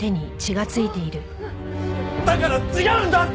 だから違うんだって！